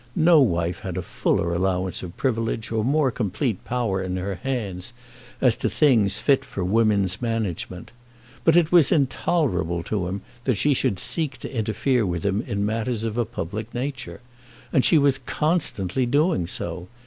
No wife had a fuller allowance of privilege, or more complete power in her hands, as to things fit for women's management. But it was intolerable to him that she should seek to interfere with him in matters of a public nature. And she was constantly doing so.